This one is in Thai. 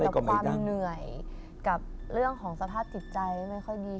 กับความเหนื่อยกับเรื่องของสภาพจิตใจไม่ค่อยดี